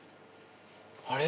あれ？